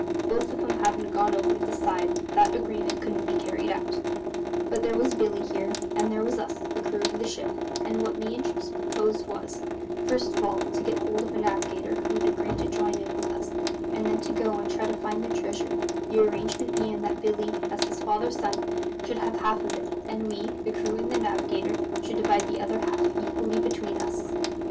Both of 'em havin' gone over the side, that agreement couldn't be carried out; but there was Billy, here; and there was us, the crew of the ship; and what me and Chips proposed was, first of all, to get hold of a navigator who'd agree to join in with us, and then go and try to find the treasure; the arrangement bein' that Billy, as his father's son, should have half of it, and we the crew and the navigator should divide the other half equally between us.